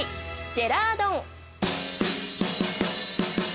ジェラードン。